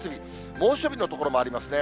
猛暑日の所もありますね。